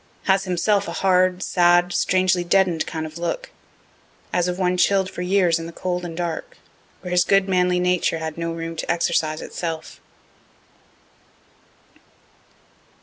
Has himself a hard, sad, strangely deaden'd kind of look, as of one chill' d for years in the cold and dark, where his good manly nature had no room to exercise itself.